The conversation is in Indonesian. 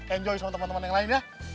enjoy sama teman teman yang lain ya